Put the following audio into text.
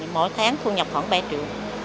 mỗi tháng thu nhập khoảng ba triệu